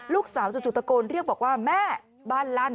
ลูกสาวจุดตะโกนเรียกบอกว่าแม่บ้านลั่น